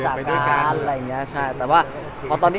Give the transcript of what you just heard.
แคปชั่นแคปชั่นเป็นภาษาเกาหลี